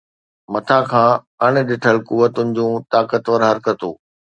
مٿان کان اڻ ڏٺل قوتن جون طاقتور حرڪتون.